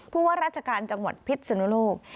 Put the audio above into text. ว่าราชการจังหวัดพิษนุโลก